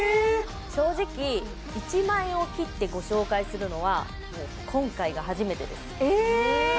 正直１万円を切ってご紹介するのはもう今回が初めてですえ！